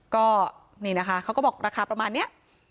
ก็นี่นะคะเขาก็บอกราคาประมาณนี้